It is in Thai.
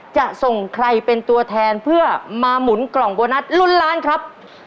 จะส่งใครเป็นตัวแทนเพื่อมาหมุนกล่องโบนัสลุ้นล้านครับ